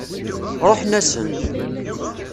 Ṛuḥen-asen.